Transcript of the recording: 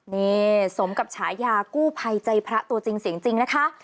นี่สมกับฉายากู้ภัยใจพระตัวจริงเสียงจริงนะคะ